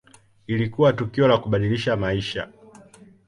Ilikuwa tukio la kubadilisha maisha.